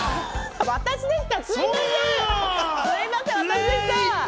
私でした。